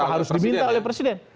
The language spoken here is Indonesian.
harus diminta oleh presiden